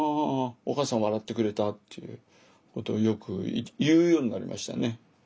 お母さん笑ってくれたっていうことをよく言うようになりましたね。